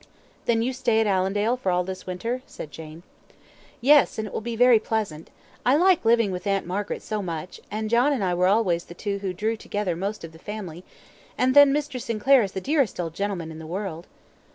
"Then you stay at Allendale for all this winter?" said Jane. "Yes, and it will be very pleasant. I like living with Aunt Margaret so much, and John and I were always the two who drew together most of the family; and then Mr. Sinclair is the dearest old gentleman in the world."